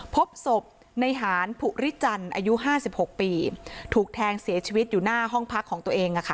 พบศพในหารผู้ริจรรย์อายุห้าสิบหกปีถูกแทงเสียชีวิตอยู่หน้าห้องพักของตัวเองอะค่ะ